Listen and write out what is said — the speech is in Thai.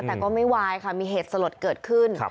แต่ก็ไม่วายค่ะมีเหตุสลดเกิดขึ้น